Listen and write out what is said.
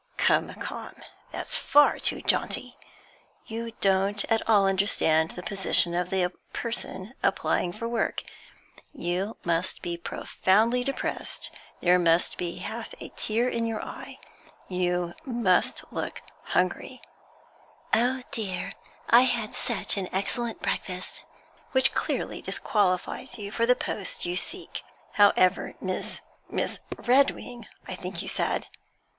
'Come, come; that's far too jaunty. You don't at all understand the position of the person applying for work. You must be profoundly depressed; there must be half a tear in your eye; you must look hungry.' 'O dear I had such an excellent breakfast!' 'Which clearly disqualifies you for the post you seek. However, Miss Miss Redwing, I think you said?'